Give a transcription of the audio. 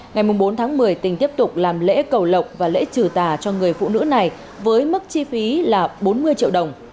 ngày bốn một mươi tình tiếp tục làm lễ cầu lọc và lễ trừ tà cho người phụ nữ này với mức chi phí là bốn mươi triệu đồng